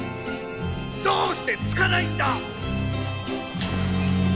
どうしてつかないんだ！？